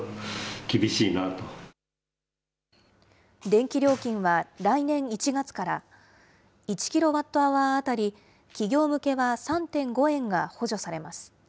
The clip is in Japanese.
電気料金は来年１月から、１キロワットアワー当たり企業向けは３．５円が補助されます。